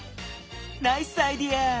ナイスアイデア！